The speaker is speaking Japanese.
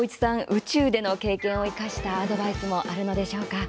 宇宙での経験を生かしたアドバイスもあるのでしょうか。